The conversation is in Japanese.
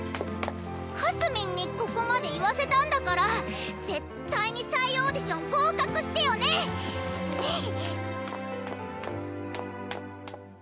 かすみんにここまで言わせたんだから絶対に再オーディション合格してよねっ！